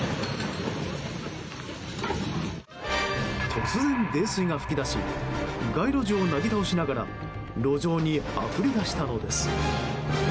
突然、泥水が噴き出し街路樹をなぎ倒しながら路上にあふれ出したのです。